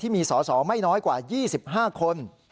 ที่มีสสไม่น้อยกว่า๒๕คน